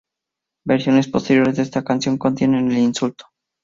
Versiones posteriores de esta canción contienen el insulto.